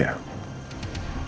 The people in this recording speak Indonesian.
aku mau cari